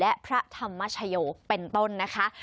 และพระธรรมชโยเป็นต้นนะคะ